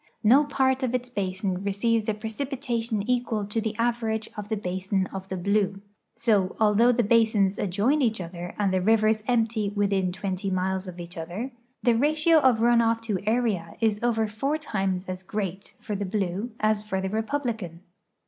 No part of its basin receives a precipitation equal to the average of the basin of the Blue; so, although the basins adjoin each other and the rivers empty within twenty miles of each other, the ratio of run off to area is over four times as great for the Blue as for the Republican.